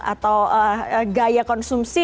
atau gaya konsumsi